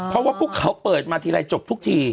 เพราะว่าพวกเขาเปิดมาทีไรจบทุกที